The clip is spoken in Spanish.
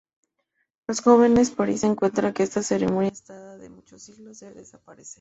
Los jóvenes parsis encuentran que esta ceremonia, que data de muchos siglos, debe desaparecer.